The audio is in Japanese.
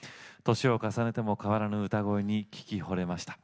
歳を重ねても変わらぬ歌声に聴きほれました。